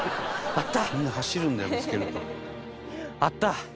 あった！